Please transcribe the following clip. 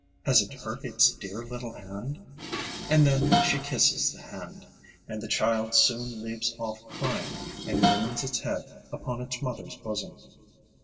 Has it hurt its dear little hand?" and then she kisses the hand, and the child soon leaves off crying, and leans its head upon its mother's bosom.